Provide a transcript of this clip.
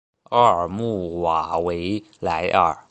奥尔穆瓦维莱尔。